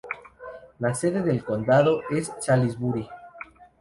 La sede del condado es Salisbury.